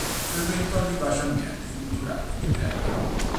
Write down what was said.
Frequentò il vivace ambiente culturale di Brera.